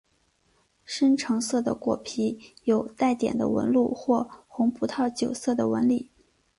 深橙色的果皮有带点的纹路或红葡萄酒色的纹理。